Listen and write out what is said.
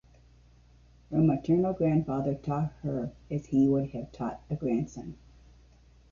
Her maternal grandfather taught her as he would have taught a grandson.